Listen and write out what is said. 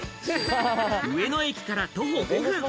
上野駅から徒歩５分。